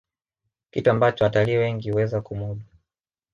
kitu ambacho watalii wengi huweza kumudu